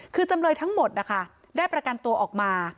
คือจำเลยทั้งหมดนะคะได้ประกันตัวออกมา